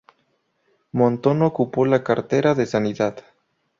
Montón ocupó la cartera de Sanidad.